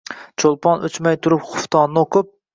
Cho’lpon o’chmay turib xuftonni o’qib